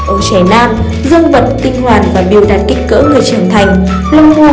ở trẻ nam dương vật tinh hoàn và biểu đạt kích cỡ người trưởng thành